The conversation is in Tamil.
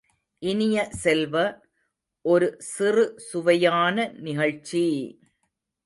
இனிய செல்வ, ஒரு சிறு சுவையான நிகழ்ச்சி!